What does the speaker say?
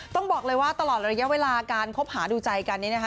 ต้องบอกเลยว่าตลอดระยะเวลาการคบหาดูใจกันนี้นะคะ